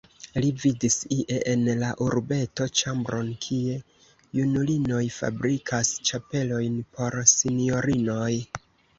Li vidis ie en la urbeto ĉambron, kie junulinoj fabrikas ĉapelojn por sinjorinoj.